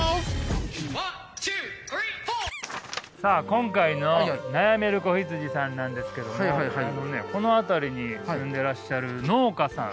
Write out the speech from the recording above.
今回の悩める子羊さんなんですけどもあのねこの辺りに住んでらっしゃる農家さん。